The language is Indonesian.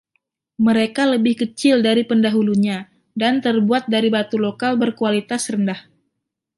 Mereka lebih kecil dari pendahulunya, dan terbuat dari batu lokal berkualitas rendah.